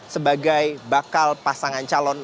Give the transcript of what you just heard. sebagai bakal pasangan calon